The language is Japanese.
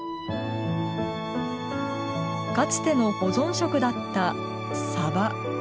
かつての保存食だったさば。